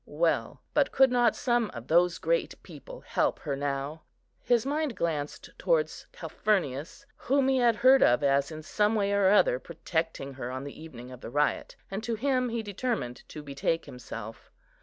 Well, but could not some of those great people help her now? His mind glanced towards Calphurnius, whom he had heard of as in some way or other protecting her on the evening of the riot, and to him he determined to betake himself.